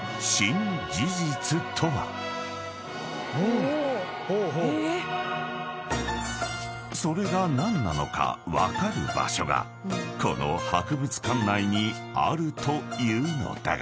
お！え⁉［それが何なのか分かる場所がこの博物館内にあるというのだが］